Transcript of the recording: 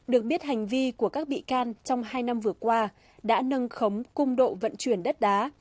được biết hành vi của các bị can trong hai năm vừa qua đã nâng khống cung độ vận chuyển đất đá